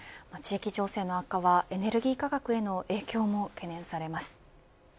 地域情勢の悪化はエネルギー価格への影響も懸念されます。